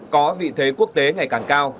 có vị thế quốc tế ngày càng cao